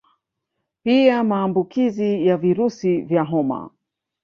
Pia Maambukizi ya virusi vya homa